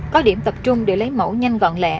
có điểm tập trung để lấy mẫu nhanh gọn lệ